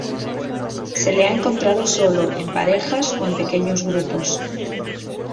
Se le ha encontrado solo, en parejas o en pequeños grupos.